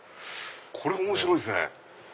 これ面白いですね。